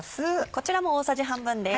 こちらも大さじ半分です。